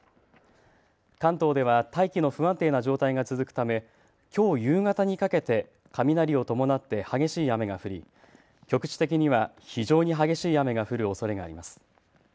関東では大気の不安定な状態が続くため、きょう夕方にかけて雷を伴って激しい雨が降り、局地的には非常に激しい雨が降るおそれがあります。